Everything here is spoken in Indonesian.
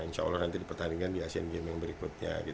insya allah nanti dipertandingkan di asean games yang berikutnya